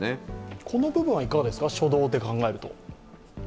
この部分はいかがですか、初動で考えると。